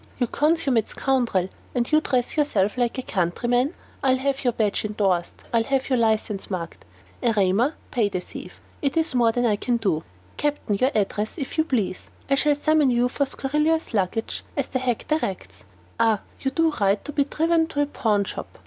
"You consummate scoundrel and you dress yourself like a countryman! I'll have your badge indorsed I'll have your license marked. Erema, pay the thief; it is more than I can do." "Captain, your address, if you please; I shall summon you for scurrilous language, as the hact directs. Ah, you do right to be driven to a pawn shop."